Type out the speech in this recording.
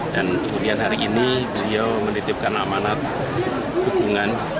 dan kemudian hari ini dia menitipkan amanah dukungan